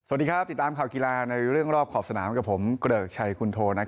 สวัสดีครับติดตามข่าวกีฬาในเรื่องรอบขอบสนามกับผมเกริกชัยคุณโท